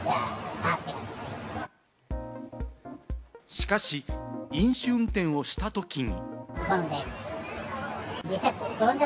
しかし、飲酒運転をした時に。